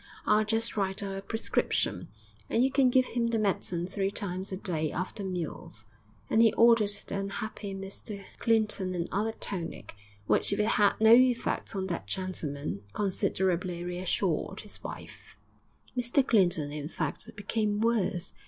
I'll just write out a prescription, and you can give him the medicine three times a day after meals,' and he ordered the unhappy Mr Clinton another tonic, which, if it had no effect on that gentleman, considerably reassured his wife. IX Mr Clinton, in fact, became worse.